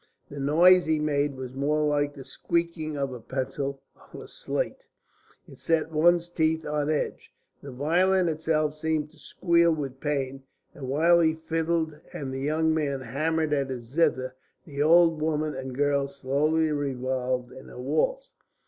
The noise he made was more like the squeaking of a pencil on a slate; it set one's teeth on edge; the violin itself seemed to squeal with pain. And while he fiddled, and the young man hammered at his zither, the old woman and girl slowly revolved in a waltz.